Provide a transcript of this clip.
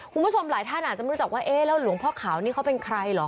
คุณผู้ชมหลายท่านอาจจะรู้จักว่าเอ๊ะแล้วหลวงพ่อขาวนี่เขาเป็นใครเหรอ